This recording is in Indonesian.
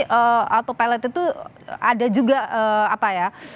jadi kalau autopilot itu ada juga apa ya